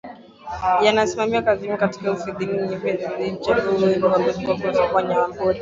yanasimamiwa na jamii katika uhifadhi nanyi pia nathamini mchango wenu sana katika kunusuru wanyamapori